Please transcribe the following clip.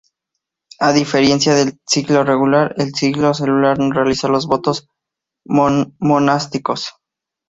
A diferencia del clero regular, el clero secular no realiza los votos monásticos.